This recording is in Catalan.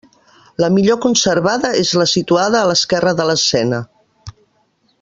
La millor conservada és la situada a l'esquerra de l'escena.